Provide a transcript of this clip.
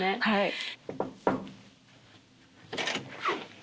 はい。